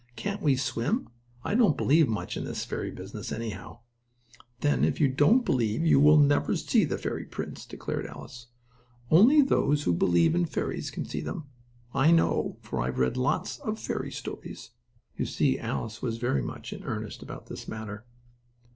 "Can't we swim? I don't believe much in this fairy business, anyhow." "Then, if you don't believe, you never will see the fairy prince," declared Alice. "Only those who believe in fairies can see them. I know, for I've read lots of fairy stories." You see Alice was very much in earnest about this matter.